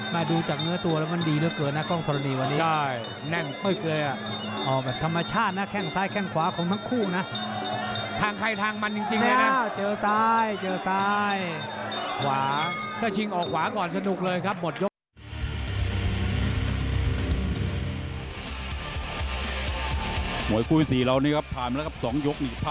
มาดูจากเนื้อตัวมาว่ามันดีเท่าไรนะ